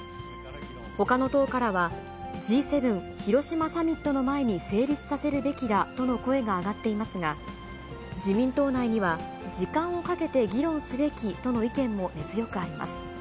ほかの党からは、Ｇ７広島サミットの前に成立させるべきだとの声が上がっていますが、自民党内には、時間をかけて議論すべきとの意見も根強くあります。